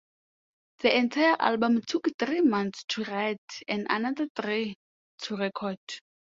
The entire album took three months to write and another three to record.